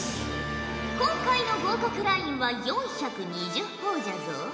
今回の合格ラインは４２０ほぉじゃぞ。